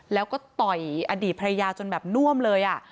แล้วก็ต่อยอดีตภรรยาจนแบบน่วมเลย